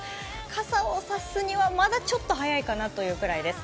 傘を差すにはまだちょっと早いかなというくらいです。